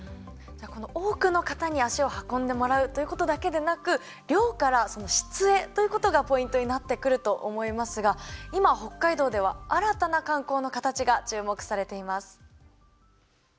この多くの方に足を運んでもらうということだけでなく量から質へということがポイントになってくると思いますが今北海道では新たな観光の形が注目されています。